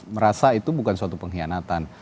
merasa itu bukan suatu pengkhianatan